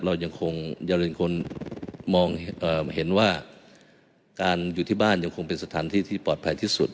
เรายังคงอย่าลืมคนมองเห็นว่าการอยู่ที่บ้านยังคงเป็นสถานที่ที่ปลอดภัยที่สุด